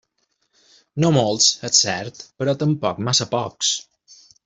No molts, és cert, però tampoc massa pocs.